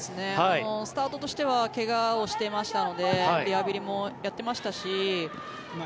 スタートとしては怪我をしていましたのでリハビリもやってましたし。